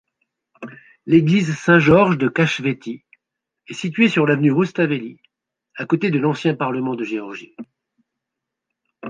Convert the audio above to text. L'église Saint-Georges-de-Kachvéti est située sur l'avenue Roustavéli à côté de l'ancien Parlement de Géorgie.